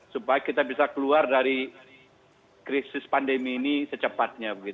supaya kita bisa keluar dari krisis pandemi ini secepatnya